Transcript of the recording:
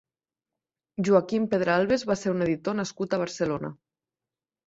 Joaquim Pedralbes va ser un editor nascut a Barcelona.